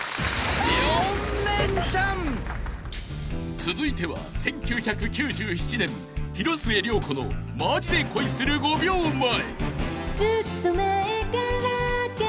［続いては１９９７年広末涼子の『ＭａｊｉでＫｏｉする５秒前』］わ！